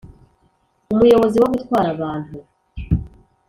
Umuyobozi wo Gutwara Abantu